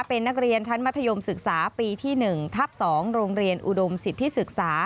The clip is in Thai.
เป็นนักเรียนชั้นมัธยมศึกษาปีที่๑ทับ๒โรงเรียนอุดมสิทธิศึกษา